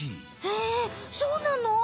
へえそうなの？